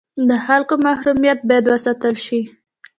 د خلکو محرمیت باید وساتل شي